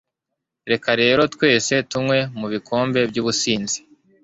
reka rero twese tunywe mu bikombe by'ubusinzi